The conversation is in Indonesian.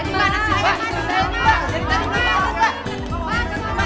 dari tadi berapa